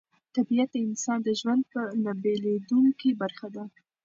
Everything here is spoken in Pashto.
طبیعت د انسان د ژوند نه بېلېدونکې برخه ده